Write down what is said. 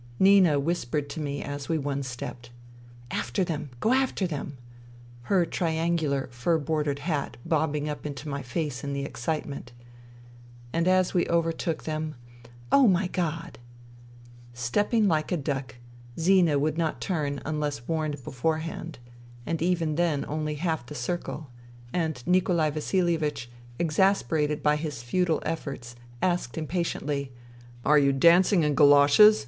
Nina whispered to me as we one stepped :" After them I Go after them !'* her triangular, fur bordered hat bobbing up into my face in the excitement. And as we overtook them: "Oh, my God I *' Stepping like a duck, Zina would not turn unless warned beforehand, and even then only half the circle ; and Nikolai Vasilievieh, exasperated by his futile efforts, asked impatiently :" Are you dancing in goloshes